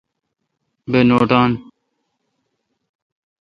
بہ نوٹان۔